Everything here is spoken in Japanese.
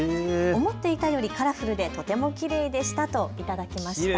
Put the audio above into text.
思っていたよりカラフルでとてもきれいでしたと頂きました。